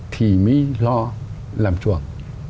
thì mới lo làm chuồng